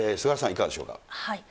いかがでしょうか。